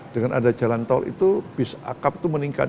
dengan ada jalan tol itu bis akap itu meningkat